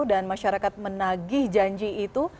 dan masyarakat menagih janji itu